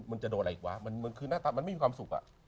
มันจะโดนอะไรอีกวะมันไม่มีความสุข